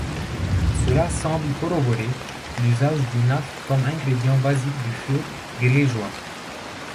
Cela semble corroborer l'usage du naphte comme ingrédient basique du feu grégeois.